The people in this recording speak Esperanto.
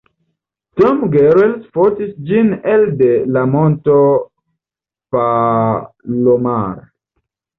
Tom Gehrels fotis ĝin elde la Monto Palomar.